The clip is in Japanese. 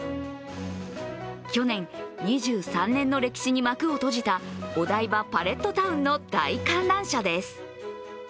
去年、２３年の歴史に幕を閉じたお台場パレットタウンの大観覧車です。